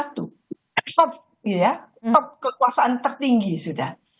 top ya top kekuasaan tertinggi sudah